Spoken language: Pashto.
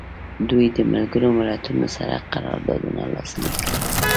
دوی د ملګرو ملتونو سره قراردادونه لاسلیک کړل.